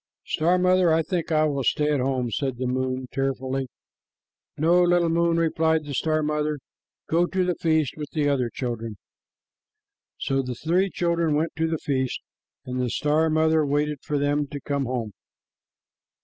"Star mother, I think I will stay at home," said the moon tearfully. "No, little moon," replied the star mother; "go to the feast with the other children." So the three children went to the feast, and the star mother waited for them to come home.